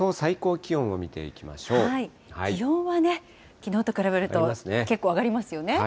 気温はね、きのうと比べるとけっこう上がりますよね。